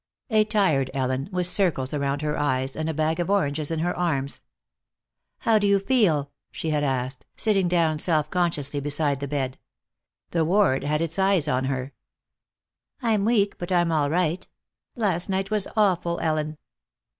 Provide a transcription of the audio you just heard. A tired Ellen with circles around her eyes, and a bag of oranges in her arms. "How do you feel?" she had asked, sitting down self consciously beside the bed. The ward had its eyes on her. "I'm weak, but I'm all right. Last night was awful, Ellen."